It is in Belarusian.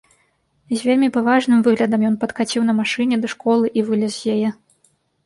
З вельмі паважным выглядам ён падкаціў на машыне да школы і вылез з яе.